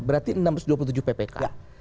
berarti enam ratus dua puluh tujuh ppk